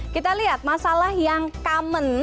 kita lihat masalah yang common